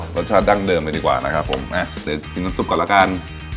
รสชาติดั้งเดิมเลยดีกว่านะครับผมอ่ะเดี๋ยวชิมน้ำซุปก่อนละกัน